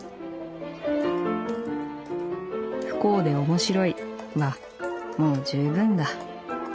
「『不幸でおもしろい』はもう十分だ。